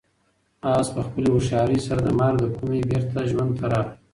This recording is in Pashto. آس په خپلې هوښیارۍ سره د مرګ له کومې څخه بېرته ژوند ته راغی.